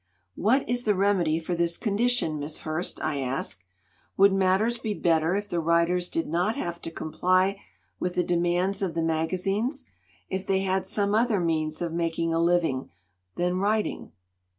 "What is the remedy for this condition, Miss Hurst?" I asked. "Would matters be better if the writers did not have to comply with the de mands of the magazines if they had some other means of making a living than writing?"